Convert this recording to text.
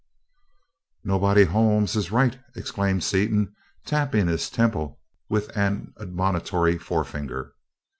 "'Nobody Holme' is right!" exclaimed Seaton, tapping his temple with an admonitory forefinger.